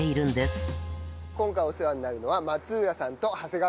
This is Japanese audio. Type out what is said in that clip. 今回お世話になるのは松浦さんと長谷川さんです。